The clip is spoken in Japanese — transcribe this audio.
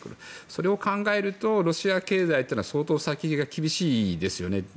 それを考えるとロシア経済というのは相当、先が厳しいですよね。